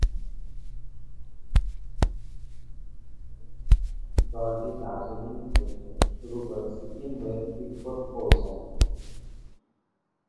দলটি দার্জিলিং থকে শুরু করে সিকিম হয়ে তিব্বতে পৌঁছয়।